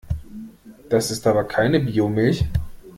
Das ist aber keine Biomilch!